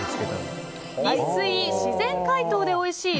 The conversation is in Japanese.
ニッスイ自然解凍でおいしい！